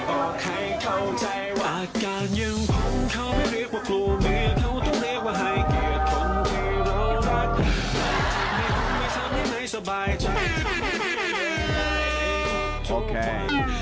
โอเค